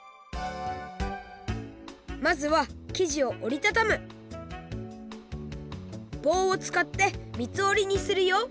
まずは生地をおりたたむぼうをつかってみつおりにするよ